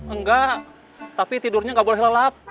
enggak tapi tidurnya nggak boleh lelap